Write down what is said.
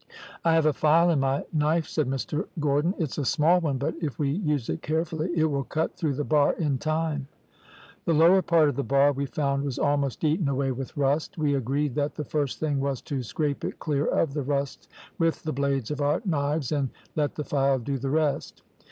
"`I have a file in my knife,' said Mr Gordon; `it's a small one, but if we use it carefully it will cut through the bar in time.' "The lower part of the bar we found was almost eaten away with rust. We agreed that the first thing was to scrape it clear of the rust with the blades of our knives and let the file do the rest.